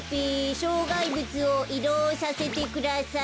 しょうがいぶつをいどうさせてください。